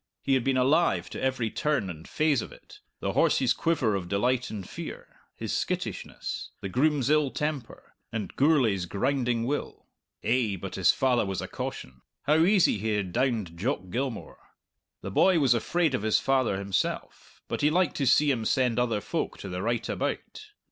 He had been alive to every turn and phase of it the horse's quiver of delight and fear, his skittishness, the groom's ill temper, and Gourlay's grinding will. Eh, but his father was a caution! How easy he had downed Jock Gilmour! The boy was afraid of his father himself, but he liked to see him send other folk to the right about.